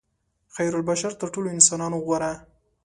خیرالبشر تر ټولو انسانانو غوره.